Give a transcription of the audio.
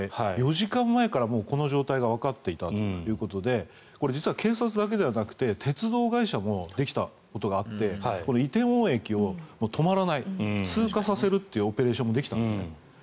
４時間前からこの状態がわかっていたということでこれ、実は警察だけではなくて鉄道会社もできたことがあって梨泰院駅を止まらない通過させるというオペレーションもできたんです。